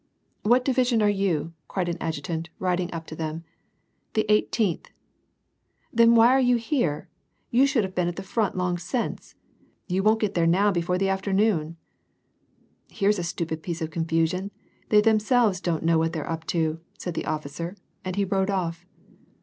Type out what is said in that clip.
What division are you ?" cried an adjutant, riding up to them. " The Eighteenth." " Then why are you here ? You should have been at the front long since ; you won't get there now before afternoon.'* " Here's a stupid piece of confusion ; they themselves don't know what they're up to," said the officer, and he rode off.